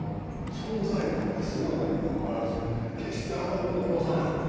存在感がすごいのにもかかわらず決してアナゴを殺さなくって。